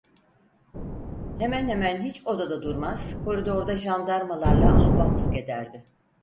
Hemen hemen hiç odada durmaz, koridorda jandarmalarla ahbaplık ederdi.